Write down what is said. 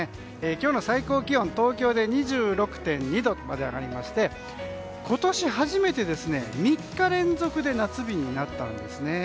今日の最高気温、東京で２６．２度まで上がりまして今年初めて、３日連続で夏日になったんですね。